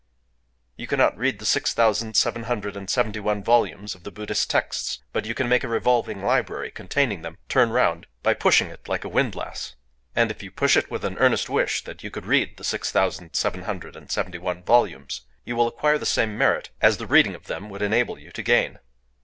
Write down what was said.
You cannot read the six thousand seven hundred and seventy one volumes of the Buddhist texts; but you can make a revolving library, containing them, turn round, by pushing it like a windlass. And if you push with an earnest wish that you could read the six thousand seven hundred and seventy one volumes, you will acquire the same merit as the reading of them would enable you to gain...